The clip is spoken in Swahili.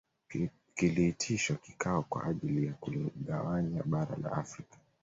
Kiliitishwa kikao kwa ajili ya kuligawanya bara la Afrika